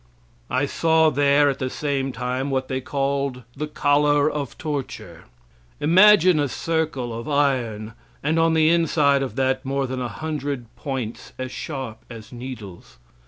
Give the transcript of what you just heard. I saw there at the same time what they called the "collar of torture." Imagine a circle of iron, and on the inside of that more than a hundred points as sharp as needles.